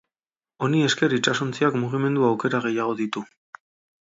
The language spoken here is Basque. Honi esker itsasontziak mugimendu aukera gehiago ditu.